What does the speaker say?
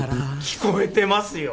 聞こえてますよ